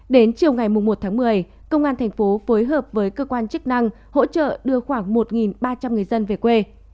đến chiều ngày một tháng một mươi công an thành phố phối hợp với cơ quan chức năng hỗ trợ đưa khoảng một ba trăm linh người dân về quê